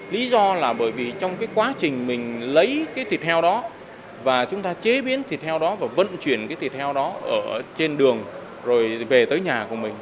lý do là bởi vì trong cái quá trình mình lấy cái thịt heo đó và chúng ta chế biến thịt heo đó và vận chuyển cái thịt heo đó ở trên đường rồi về tới nhà của mình